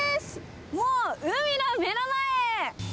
もう、海の目の前。